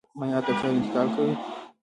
مایعات د فشار انتقال کوي.